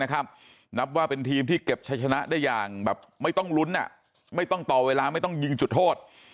นับว่าเป็นทีมที่เก็บชัยชนะได้อย่างแบบไม่ต้องลุ้นไม่ต้องต่อเวลาไม่ต้องยิงจุดโทษ